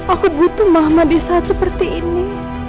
aku butuh mama di saat seperti ini